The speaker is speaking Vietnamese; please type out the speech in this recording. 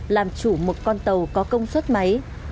làm chủ một con tàu có công suất máy